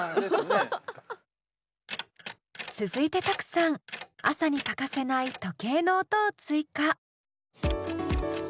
続いてＴＡＫＵさん朝に欠かせない時計の音を追加。